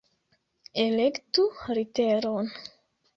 Elektu literon!